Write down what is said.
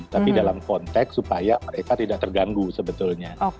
tapi dalam konteks supaya mereka tidak terganggu sebetulnya